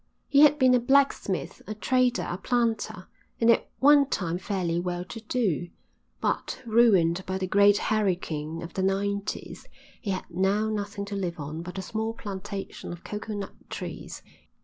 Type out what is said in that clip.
He had been a blacksmith, a trader, a planter, and at one time fairly well to do; but, ruined by the great hurricane of the nineties, he had now nothing to live on but a small plantation of coconut trees.